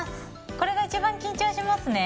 これが一番緊張しますね。